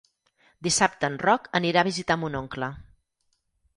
Dissabte en Roc anirà a visitar mon oncle.